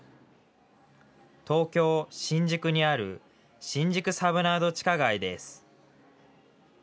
東京新宿にある新宿サブナード地下街です。